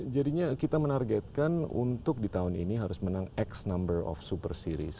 jadinya kita menargetkan untuk di tahun ini harus menang x number of super series